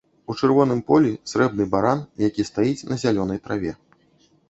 У чырвоным полі срэбны баран, які стаіць на зялёнай траве.